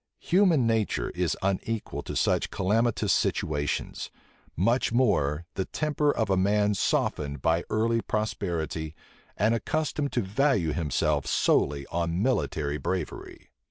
Human nature is unequal to such calamitous situations; much more the temper of a man softened by early prosperity, and accustomed to value himself solely on military bravery.